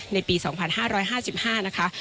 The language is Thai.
ในปี๒๕๕๕นะคะ